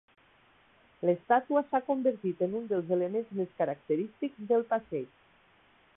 L'estàtua s'ha convertit en un dels elements més característics del passeig.